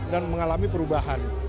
dan mengalami perubahan